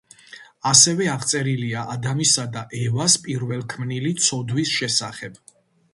აქვე აღწერილია ადამისა და ევას პირველქმნილი ცოდვის შესახებ.